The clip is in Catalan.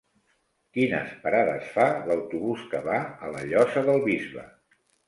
Quines parades fa l'autobús que va a la Llosa del Bisbe?